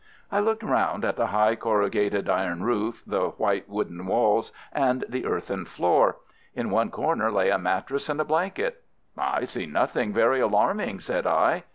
I looked round at the high corrugated iron roof, the white wooden walls, and the earthen floor. In one corner lay a mattress and a blanket. "I see nothing very alarming," said I.